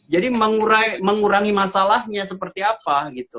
jadi mengurangi masalahnya seperti apa gitu